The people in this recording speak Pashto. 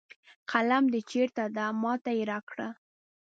قلم د چېرته ده ما ته یې راکړه